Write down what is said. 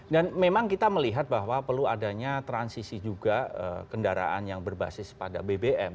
dan memang kita melihat bahwa perlu adanya transisi juga kendaraan yang berbasis pada bbm